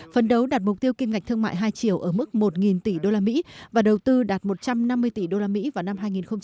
phấn đấu đạt mục tiêu kim ngạch thương mại hai triệu ở mức một tỷ usd và đầu tư đạt một trăm năm mươi tỷ usd vào năm hai nghìn hai mươi